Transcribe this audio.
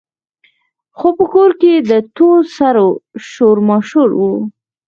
خو په کور کې د تور سرو شور ماشور وو.